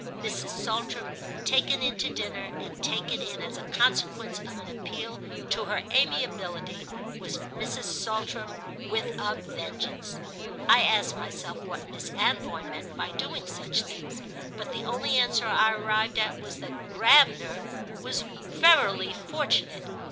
Mrs. Saltram taken in to dinner, and taken in as a consequence of an appeal to her amiability, was Mrs. Saltram with a vengeance. I asked myself what Miss Anvoy meant by doing such things, but the only answer I arrived at was that Gravener was verily fortunate.